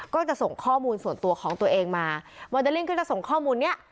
ก็จะส่งข้อมูลส่วนตัวของตัวเองมาโมเดลลิ่งก็จะส่งข้อมูลเนี้ย